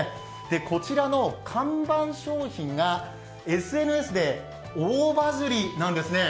こちらの看板商品がＳＮＳで大バズりなんですね。